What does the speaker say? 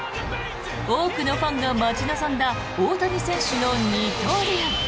多くのファンが待ち望んだ大谷選手の二刀流。